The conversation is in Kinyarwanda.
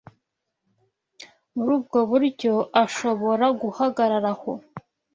muri ubwo buryo, ashobora guhagarara aho